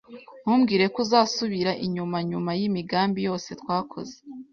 Ntumbwire ko uzasubira inyuma nyuma yimigambi yose twakoze.